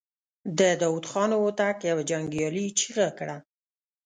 د داوود خان هوتک يوه جنګيالې چيغه کړه.